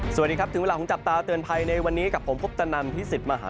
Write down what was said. สวัสดีครับถึงเวลาของจับตาเตือนภัยในวันนี้กับผมคุปตนันพิสิทธิ์มหา